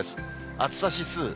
暑さ指数。